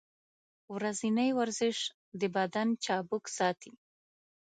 ورځنی ورزش د بدن چابک ساتي.